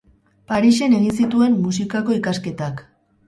Parisen egin zituen musikako ikasketak.